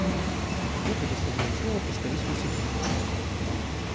Я предоставляю слово представителю Соединенных Штатов.